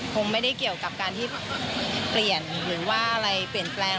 คงไม่ได้เกี่ยวกับการที่เปลี่ยนหรือว่าอะไรเปลี่ยนแปลง